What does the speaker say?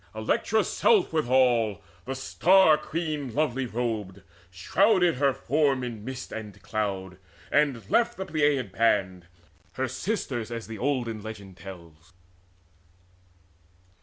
Electra's self withal, The Star queen lovely robed, shrouded her form In mist and cloud, and left the Pleiad band, Her sisters, as the olden legend tells.